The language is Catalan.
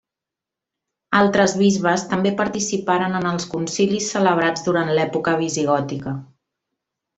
Altres bisbes també participaren en els concilis celebrats durant l'època visigòtica.